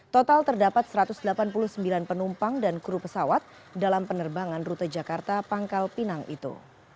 total terdapat satu ratus delapan puluh sembilan penumpang dan kru pesawat dalam penerbangan rute jakarta pangkal pinang itu